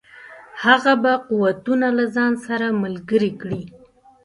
هغه به قوتونه له ځان سره ملګري کړي.